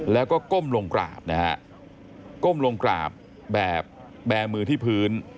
แล้วก็ก้มลงกราบนะฮะก้มลงกราบแบบแบมือที่พื้น